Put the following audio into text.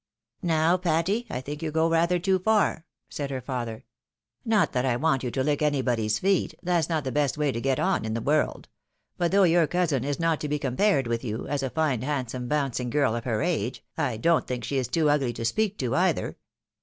" Now, Patty, I think you go rather too far," said her father ;" not that I want you to hck anybody's feet — that's not the best way to get on in the world. But though your cousin is not to be compared with you, as a fine handsome bouncing girl of her age, I don't think she is too ugly to speak to, either.